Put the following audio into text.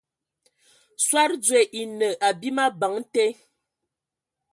Soad dzoe e enə abim abəŋ te.